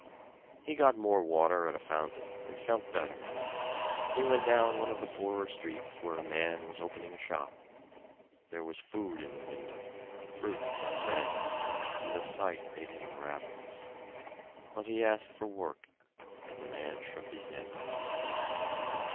He got more water at a fountain and felt better. He went down one of the poorer streets where a man was opening a shop. There was food in the window fruit and bread and the sight made him ravenous. But he asked for work and the man shook his head.